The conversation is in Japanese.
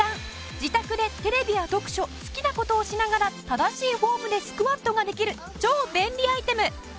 自宅でテレビや読書好きな事をしながら正しいフォームでスクワットができる超便利アイテム。